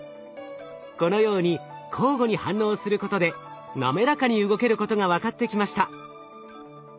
このように交互に反応することで滑らかに動けることが分かってきました。